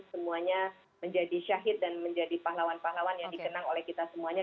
semuanya menjadi syahid dan menjadi pahlawan pahlawan yang dikenang oleh kita semuanya